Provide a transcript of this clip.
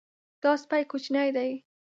دا سپی کوچنی دی.